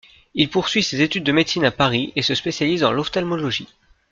Il poursuit ses études de médecine à Paris et se spécialise dans l'ophtalmologie.